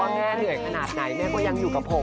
แม่เหนื่อยขนาดไหนแม่ก็ยังอยู่กับผม